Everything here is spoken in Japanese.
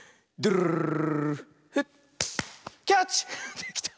できた。